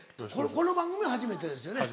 この番組は初めてですよね？